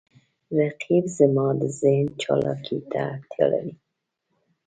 رقیب زما د ذهن چالاکي ته اړتیا لري